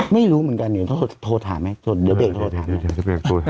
ไม่รู้เหมือนกันเนี่ยโทรถามไหม